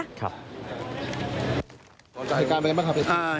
เหตุการณ์เป็นยังไงบ้างครับเด็กที่